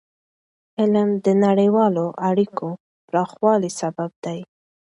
علم د نړیوالو اړیکو پراخوالي سبب دی.